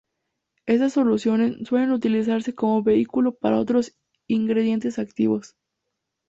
Estas soluciones suelen utilizarse como vehículo para otros ingredientes activos.